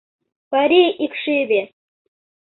Парий икшыве!